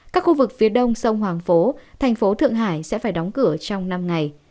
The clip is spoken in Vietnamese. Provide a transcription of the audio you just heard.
các khu vực phía đông sông hoàng phố thành phố thượng hải sẽ phải đóng cửa trong năm ngày